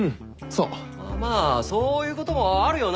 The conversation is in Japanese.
まあそういうこともあるよな。